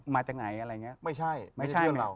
มาจากไหนมาจากไหนอะไรเงี้ย